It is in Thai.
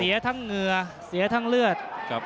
เสียทั้งเหงื่อเสียทั้งเลือด